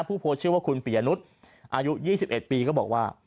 ผู้โพสต์ชื่อว่าคุณปียนุษย์อายุ๒๑ปีก็บอกว่า